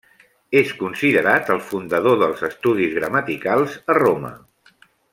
És considerat el fundador dels estudis gramaticals a Roma.